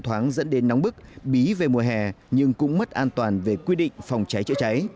thoáng dẫn đến nóng bức bí về mùa hè nhưng cũng mất an toàn về quy định phòng cháy chữa cháy